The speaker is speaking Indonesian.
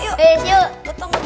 eh yuk yuk